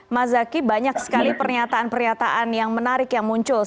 mas zaky banyak sekali pernyataan pernyataan yang menarik yang muncul